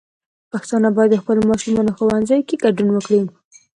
پښتانه بايد د خپلو ماشومانو ښوونځيو کې ګډون وکړي.